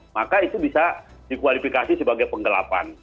maka itu bisa dikualifikasi sebagai penggelapan